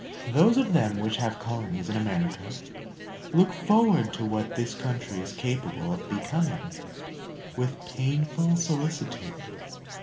Those of them which have colonies in America look forward to what this country is capable of becoming, with painful solicitude.